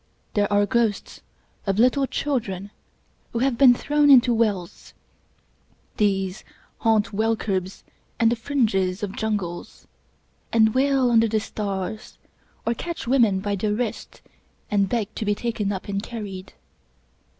There are ghosts of little children who have been thrown into wells. These haunt well curbs and the fringes of jungles, and wail under the stars, or catch women by the wrist and beg to be taken up and carried.